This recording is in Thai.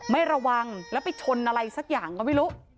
ไม่ระวังแล้วไปชนอะไรสักอย่างก็ไม่รู้